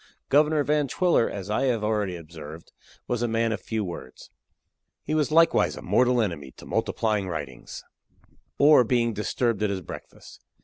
Governor Van Twiller, as I have already observed, was a man of few words; he was likewise a mortal enemy to multiplying writings or being disturbed at his breakfast.